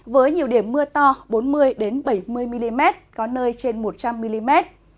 với nhiều điểm mưa to bốn mươi bảy mươi mm có nơi trên một trăm linh mm